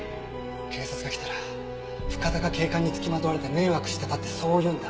警察が来たら深田が警官につきまとわれて迷惑してたってそう言うんだ。